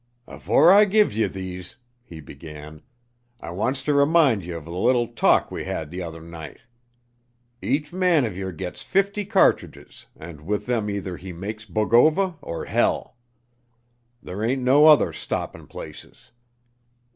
"Afore I gives you these," he began, "I wants to remind yer of the little talk we had t' other night. Each man of yer gits fifty cartridges and with them either he makes Bogova er Hell. There ain't no other stoppin' places.